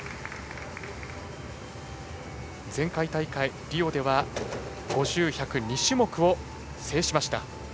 前回大会、リオでは５０、１００２種目を制しました。